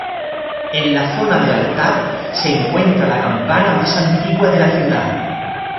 En la zona del altar se encuentra la campana más antigua de la ciudad.